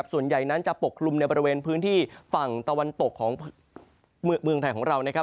ส่วนใหญ่นั้นจะปกคลุมในบริเวณพื้นที่ฝั่งตะวันตกของเมืองไทยของเรานะครับ